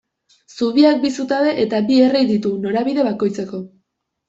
Zubiak bi zutabe eta bi errei ditu norabide bakoitzeko.